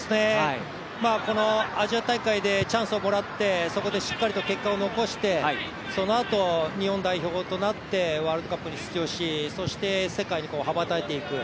このアジア大会でチャンスをもらってそこでしっかりと結果を残してそのあと、日本代表となってワールドカップに出場しそして、世界に羽ばたいていく。